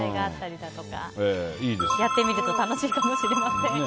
やってみると楽しいかもしれません。